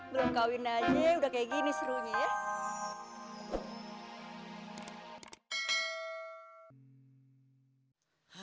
belum kawin aja udah kayak gini serunya ya